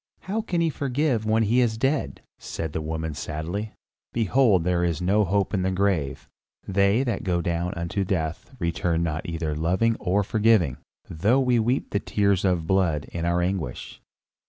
"How can he forgive when he is dead?" said the woman sadly. "Behold there is no hope in the grave; they that go down unto death return not for either loving or forgiving, though we weep tears of blood in our anguish."